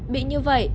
bị như vậy